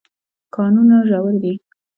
کانونه ژور دي.